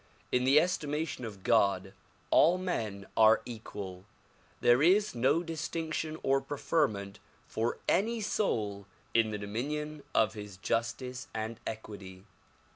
In the estimation of God all men are equal ; there is no distinction or preferment for any soul in the dominion of his justice and equity.